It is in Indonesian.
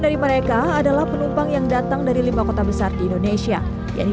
dari mereka adalah penumpang yang datang dari lima kota besar di indonesia yang di